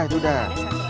ini satu lagi